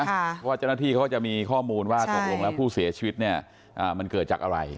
เพราะว่าเจ้าหน้าที่เขาก็จะมีข้อมูลว่าตกลงแล้วผู้เสียชีวิตเนี่ยมันเกิดจากอะไร